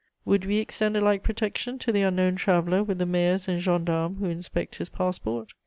Would we extend a like protection to the unknown traveller with the mayors and gendarmes who inspect his passport?